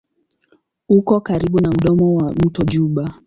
Uko karibu na mdomo wa mto Juba.